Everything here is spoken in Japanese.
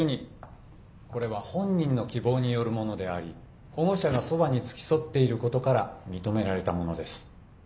これは本人の希望によるものであり保護者がそばに付き添っていることから認められたものです。